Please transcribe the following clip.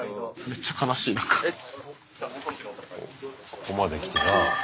ここまできてなあ。